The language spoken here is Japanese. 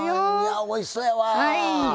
はぁおいしそうやわ！